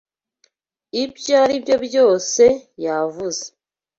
Ibyo aribyo byose yavuze.